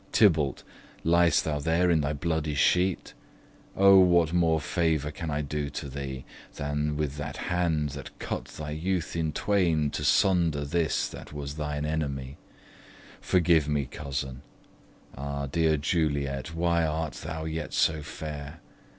Tybalt, ly'st thou there in thy bloody sheet? O, what more favour can I do to thee, Than with that hand that cut thy youth in twain, To sunder his that was thine enemy? Forgive me, cousin! Ah, dear Juliet, Why art thou yet so fair!